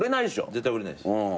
絶対売れないです。